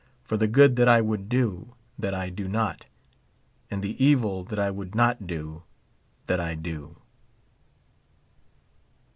for the good that I would do, that I do not ; and the evil that I would not do, that I do